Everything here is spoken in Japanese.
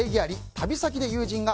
旅先で友人が○○。